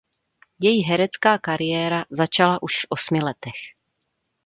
Její herecká kariéra začala už v osmi letech.